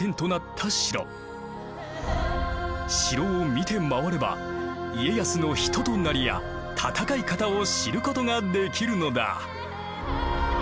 城を見て回れば家康の人となりや戦い方を知ることができるのだ。